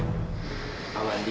bapak sedang apa di sini